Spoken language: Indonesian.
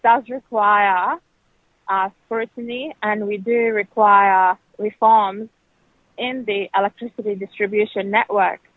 tapi ini membutuhkan perhatian dan kita membutuhkan reformasi dalam jaringan distribusi energi